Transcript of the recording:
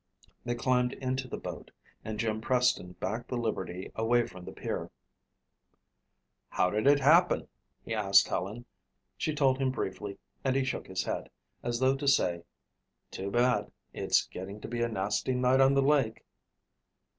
They climbed into the boat and Jim Preston backed the Liberty away from the pier. "How did it happen?" he asked Helen. She told him briefly and he shook his head, as though to say, "too bad, it's getting to be a nasty night on the lake."